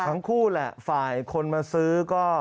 ทั้งคู่แหละฝ่ายคนมาซื้อก็